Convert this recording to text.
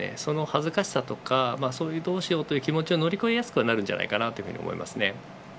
その恥ずかしさとかそういうどうしようという気持ちを乗り越えやすくはなると思います。